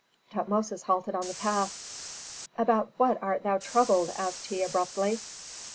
Tutmosis halted on the path. "About what art thou troubled?" asked he, abruptly.